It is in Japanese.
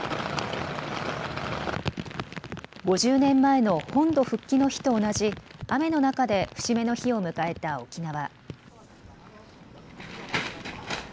５０年前の本土復帰の日と同じ雨の中で節目の日を迎えた沖縄。